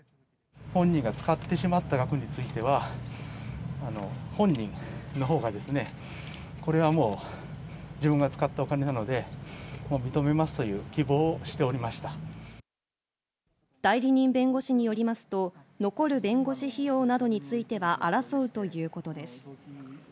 本人が使ってしまった額については、本人のほうが、これはもう、自分が使ったお金なので、もう認めますという希望をしておりまし代理人弁護士によりますと、残る弁護士費用などについては争うということです。